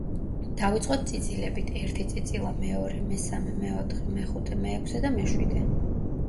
დავიწყოთ წიწილებით: ერთი წიწილა, მეორე, მესამე, მეოთხე, მეხუთე, მეექვსე და მეშვიდე.